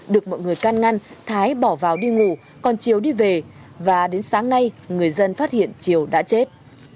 được mọi người can ngăn thái bỏ vào đi ngủ còn chiều đi về và đến sáng nay người dân phát hiện triều đã chết